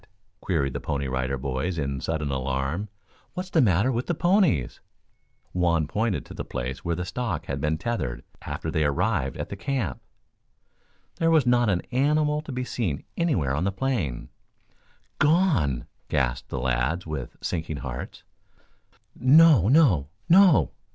queried the Pony Rider Boys in sudden alarm. "What's the matter with the ponies?" Juan pointed to the place where the stock had been tethered after they arrived at the camp. There was not an animal to be seen anywhere on the plain. "Gone!" gasped the lads, with sinking hearts. "No, no, no.